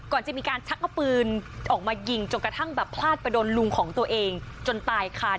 ก่อนจะมีการชักเอาปืนออกมายิงจนกระทั่งแบบพลาดไปโดนลุงของตัวเองจนตายค่ะ